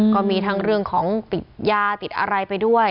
ก็มีทั้งเรื่องของติดยาติดอะไรไปด้วย